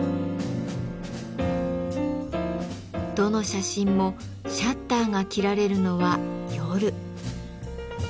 どの写真もシャッターが切られるのは夜。